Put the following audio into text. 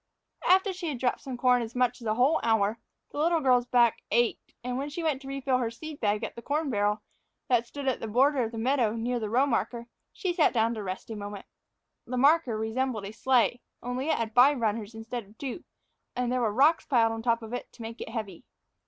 After she had dropped corn as much as a whole hour, the little girl's back ached, and when she went to refill her seed bag at the corn barrel that stood on the border of the meadow near the row marker, she sat down to rest a moment. The marker resembled a sleigh, only it had five runners instead of two, and there were rocks piled on top of it to make it heavy.